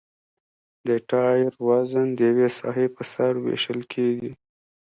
د ټایر وزن د یوې ساحې په سر ویشل کیږي